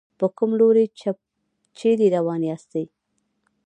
په کوم لوري چېرې روان ياستئ.